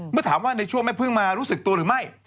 เมื่อถามว่าในช่วงแม่พึ่งมารู้สึกตัวหรือไม่